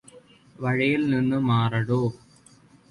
വഴിയില് നിന്നും മാറെടോ